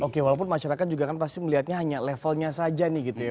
oke walaupun masyarakat juga kan pasti melihatnya hanya levelnya saja nih gitu ya